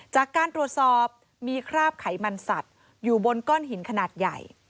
จากการตรวจสอบมีคราบไขมันสัตว์อยู่บนก้อนหินขนาดใหญ่